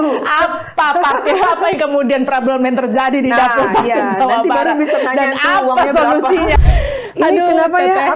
update kemudian problem terjadi di jawa barat